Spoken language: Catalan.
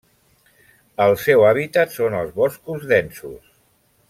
El seu hàbitat són els boscos densos.